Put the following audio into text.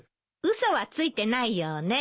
嘘はついてないようね。